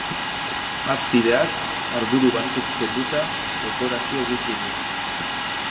Absideak, harburu batzuk kenduta, dekorazio gutxi du.